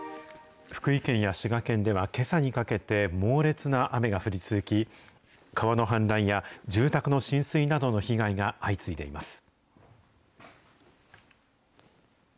福井県や滋賀県ではけさにかけて猛烈な雨が降り続き、川の氾濫や住宅の浸水などの被害が相次いでいます。